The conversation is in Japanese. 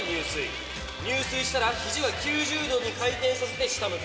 入水したらヒジは９０度に回転させて下向きに。